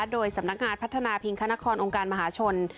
โดยสำนักงานพัฒนาพิงคณะคอองค์การมหาชน